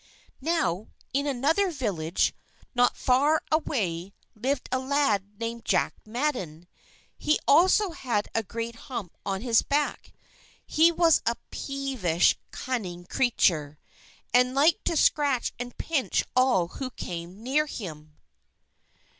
Now, in another village, not far away, lived a lad named Jack Madden. He also had a great hump on his back. He was a peevish, cunning creature, and liked to scratch and pinch all who came near him.